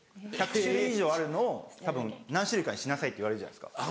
１００種類以上あるのをたぶん何種類かにしなさいって言われるじゃないですか。